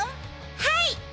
はい！